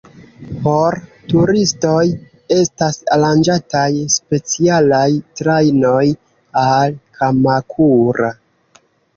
Por turistoj estas aranĝataj specialaj trajnoj al Kamakura.